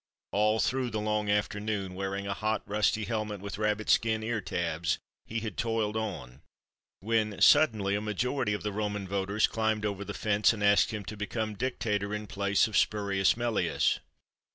All through the long afternoon, wearing a hot, rusty helmet with rabbit skin ear tabs he had toiled on, when suddenly a majority of the Roman voters climbed over the fence and asked him to become dictator in place of Spurious Melius.